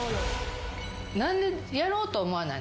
何でやろうと思わないの？